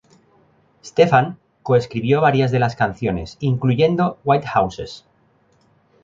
Stephan co-escribió varias de las canciones incluyendo "White Houses".